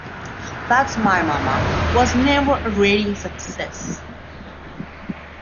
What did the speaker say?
"That's My Mama" was never a ratings success.